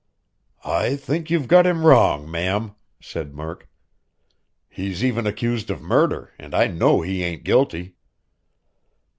"I think you've got him wrong, ma'am," said Murk. "He's even accused of murder, and I know he ain't guilty."